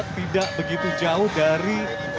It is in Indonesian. tidak begitu jauh dari